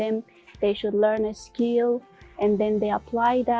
dan kemudian mereka menggunakan itu